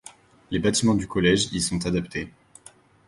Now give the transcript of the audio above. Les bâtiments du collège y sont adaptés.